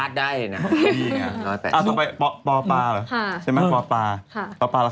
ถ้าถามสิใครไม่เคยผ่าน